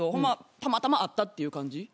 たまたま会ったっていう感じ。